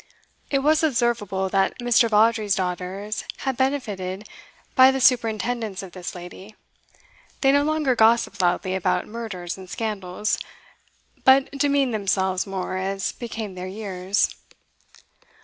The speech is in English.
It was observable that Mr. Vawdrey's daughters had benefited by the superintendence of this lady; they no longer gossiped loudly about murders and scandals, but demeaned themselves more as became their years.